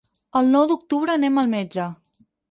El nou d'octubre anem al metge.